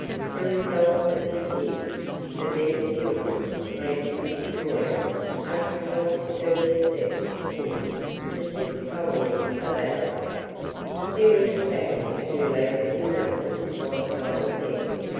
The result of this is, that many emigrants landing in Victoria are compelled to turn their steps towards the sister colony of Adelaide. There was a family who landed in Melbourne whilst I was there.